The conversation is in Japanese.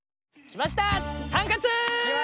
来ました！